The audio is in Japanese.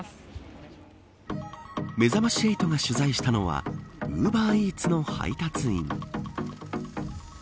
めざまし８が取材したのはウーバーイーツの配達員。